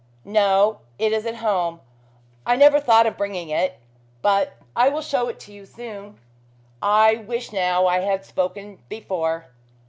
"No. It is at home. I never thought of bringing it. But I will show it to you soon. I wish now I had spoken before."